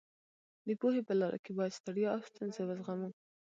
د پوهې په لاره کې باید ستړیا او ستونزې وزغمو.